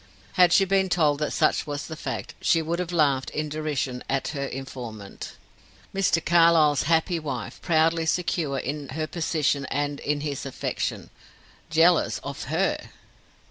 Had she been told that such was the fact, she would have laughed in derision at her informant. Mr. Carlyle's happy wife, proudly secure in her position and in his affection, jealous of her!